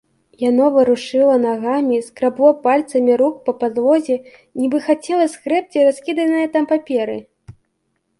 Яно варушыла нагамі, скрабло пальцамі рук па падлозе, нібы хацела згрэбці раскіданыя там паперы.